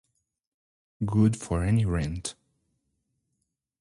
Good for any rent.